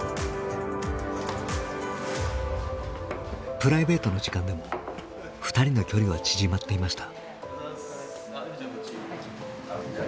プライベートの時間でも２人の距離は縮まっていました。